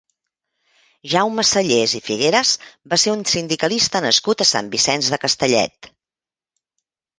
Jaume Sallés i Figueras va ser un sindicalista nascut a Sant Vicenç de Castellet.